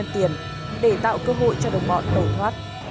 ngày sau cẩn thận nha